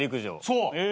そう。